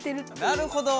なるほど！